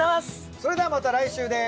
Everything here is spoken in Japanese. それではまた来週です。